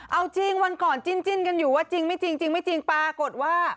เอาจริงวันก่อนจิ้นกันอยู่ว่าจริงไม่จริงไม่จริงปรากฏว่า